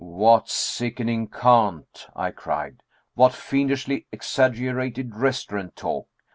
'" "What sickening cant!" I cried. "What fiendishly exaggerated restaurant talk!